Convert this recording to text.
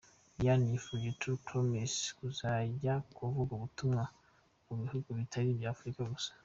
Diane yifuriza True Promises kujya kuvuga ubutumwa mu bihugu bitari ibya Afrika gusa.